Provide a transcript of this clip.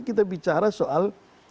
kita bicara soal